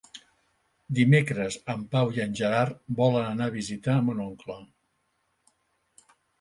Dimecres en Pau i en Gerard volen anar a visitar mon oncle.